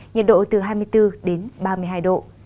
nhiệt độ từ hai mươi bốn đến ba mươi hai độ